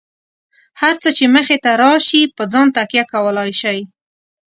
هر څه چې مخې ته راشي، په ځان تکیه کولای شئ.